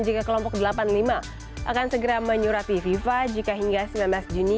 jika kelompok delapan puluh lima akan segera menyurati fifa jika hingga sembilan belas juni